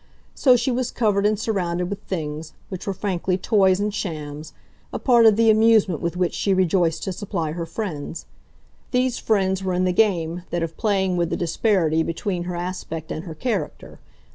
So she was covered and surrounded with "things," which were frankly toys and shams, a part of the amusement with which she rejoiced to supply her friends. These friends were in the game that of playing with the disparity between her aspect and her character.